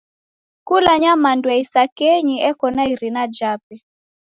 Kula nyamandu ya isakenyi eko na irina jape.